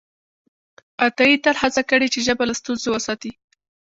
عطایي تل هڅه کړې چې ژبه له ستونزو وساتي.